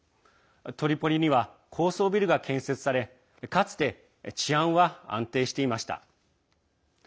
トリポリには高層ビルが建設されかつて治安は安定していました。